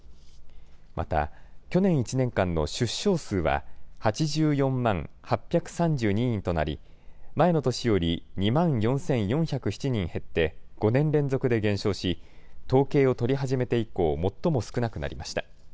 また去年１年間の出生数は８４万８３２人となり前の年より２万４４０７人減って５年連続で減少し、統計を取り始めて以降、最も少なくなりました。